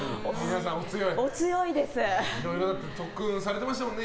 いろいろ特訓されてましたよね